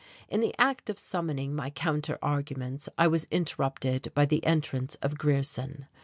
In the act of summoning my counter arguments I was interrupted by the entrance of Grierson.